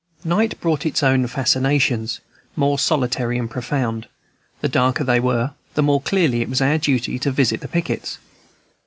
Night brought its own fascinations, more solitary and profound. The darker they were, the more clearly it was our duty to visit the pickets.